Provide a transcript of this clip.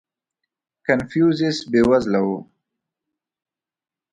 • کنفوسیوس بېوزله و.